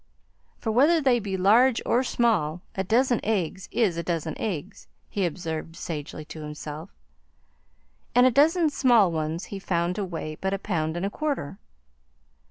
"For whether they be large or small, a dozen eggs is a dozen eggs," he observed sagely to himself; and a dozen small ones he found to weigh but a pound and a quarter.